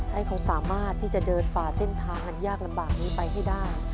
ให้เขาสามารถที่จะเดินฝ่าเส้นทางอันยากลำบากนี้ไปให้ได้